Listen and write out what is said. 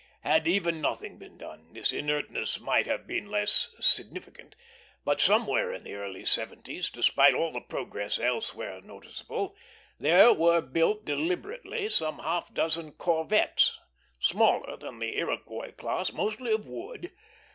Had even nothing been done, this inertness might have been less significant; but somewhere in the early seventies, despite all the progress elsewhere noticeable, there were built deliberately some half dozen corvettes, smaller than the Iroquois class, mostly of wood.